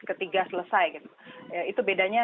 ketiga selesai itu bedanya